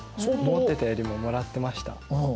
思っていたよりももらってました。